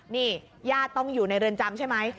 นี่ญาติต้องอยู่ในเรือนจำใช่ไหม